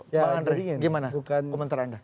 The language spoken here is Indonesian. bang andre gimana komentar anda